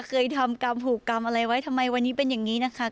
เคยทำกรรมผูกกรรมอะไรไว้ทำไมวันนี้เป็นอย่างนี้นะคะ